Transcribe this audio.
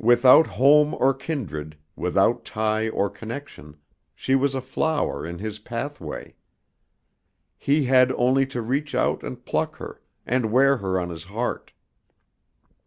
Without home or kindred, without tie or connection, she was a flower in his pathway. He had only to reach out and pluck her and wear her on his heart.